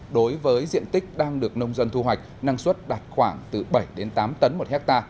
đối với diện tích đang được nông dân thu hoạch năng suất đạt khoảng từ bảy tám tấn một hectare